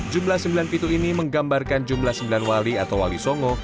jumlah sembilan pintu ini menggambarkan jumlah sembilan wali atau wali songo